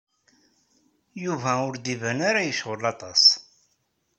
Yuba ur d-iban ara yecɣel aṭas.